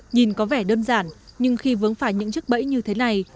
nhìn có vẻ đơn giản nhưng khi vướng phải những chiếc bẫy như thế này